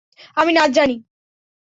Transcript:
আমি নাচ জানি।